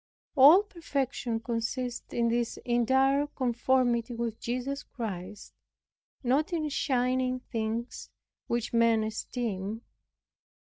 All perfection consists in this entire conformity with Jesus Christ, not in shining things which men esteem.